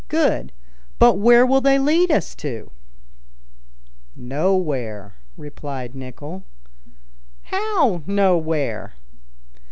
Good. But where will they lead us to?" "Nowhere," replied Nicholl. "How, nowhere?"